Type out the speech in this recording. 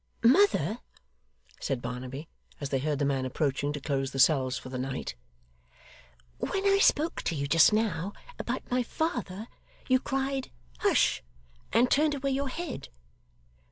'Mother,' said Barnaby, as they heard the man approaching to close the cells for the night, 'when I spoke to you just now about my father you cried "Hush!" and turned away your head.